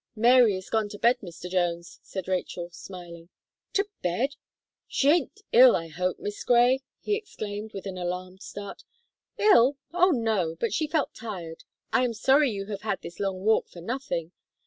"Mary is gone to bed, Mr. Jones," said Rachel, smiling. "To bed! She ain't ill, I hope. Miss Gray," he exclaimed, with an alarmed start. "Ill! Oh, no! but she felt tired. I am sorry you have had this long walk for nothing."